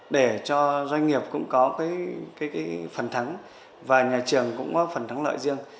để cho doanh nghiệp cũng có phần thắng và nhà trường cũng có phần thắng lợi riêng